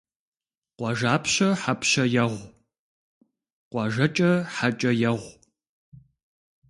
Къуажапщэ хьэпщэ егъу, къуажэкӀэ хьэкӀэ егъу.